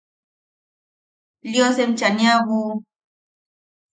–Lios enchaniabu.